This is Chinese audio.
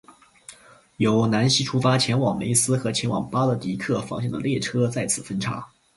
由南锡出发前往梅斯和前往巴勒迪克方向的列车在此分岔。